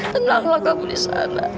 tenanglah kamu di sana